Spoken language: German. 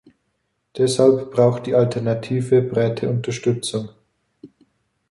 Deshalb braucht die Alternative breite Unterstützung.